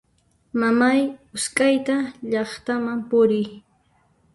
Mamay usqhayta llaqtaman puriy!